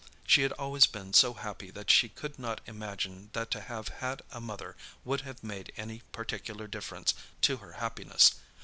She had always been so happy that she could not imagine that to have had a mother would have made any particular difference to her happiness.